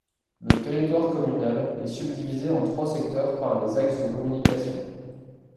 Le territoire communal est subdivisé en trois secteurs par les axes de communication.